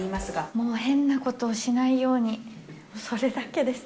もう変なことをしないように、それだけです。